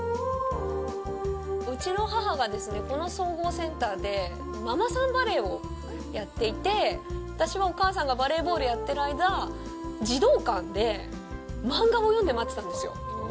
うちの母がですね、この総合センターでママさんバレーをやっていて私は、お母さんがバレーボールやっている間児童館で漫画を読んで待ってたんですよ。